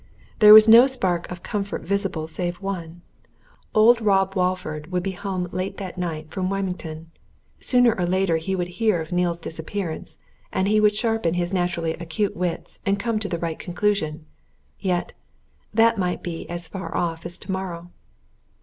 There was no spark of comfort visible save one. Old Rob Walford would be home late that night from Wymington sooner or later he would hear of Neale's disappearance and he would sharpen his naturally acute wits and come to the right conclusion. Yet that might be as far off as tomorrow.